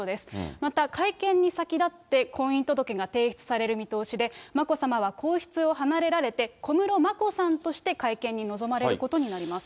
また、会見に先立って婚姻届が提出される見通しで、眞子さまは皇室を離れられて、小室眞子さんとして会見に臨まれることになります。